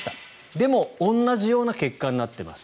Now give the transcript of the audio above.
でも、同じような結果になっています。